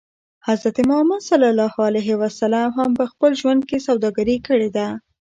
حضرت محمد ص هم په خپل ژوند کې سوداګري کړې ده.